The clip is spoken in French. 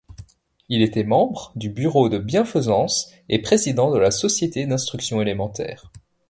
Il était membre du Bureau de Bienfaisance et président de la Société d'Instruction Élémentaire.